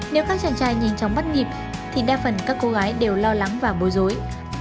nếu các chàng trai nhanh chóng bắt nhịp thì đa phần các cô gái đều lo lắng và bối rối